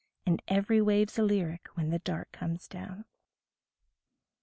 And every wave's a lyric when the dark comes down.